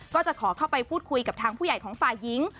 ก็จะขอเข้าไปพูดคุยกับทางผู้ใหญ่ของฝ่ายหญิง